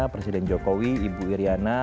presiden jokowi ibu iryana